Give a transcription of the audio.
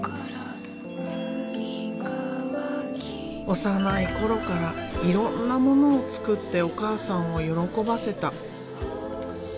幼い頃からいろんなものを作ってお母さんを喜ばせた。